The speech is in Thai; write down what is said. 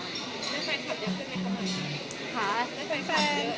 แล้วแฟนคลับยังขึ้นไหมครับค่ะ